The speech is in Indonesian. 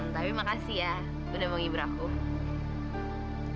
tapi makasih ya gue kayak britain